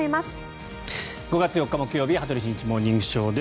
５月４日、木曜日「羽鳥慎一モーニングショー」。